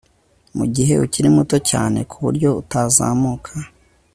mugihe ukiri muto cyane kuburyo utazamuka